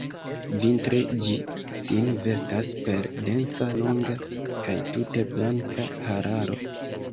Vintre ĝi sin vestas per densa, longa kaj tute blanka hararo.